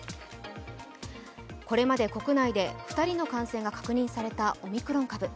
これまで国内で２人の感染が確認されたオミクロン株。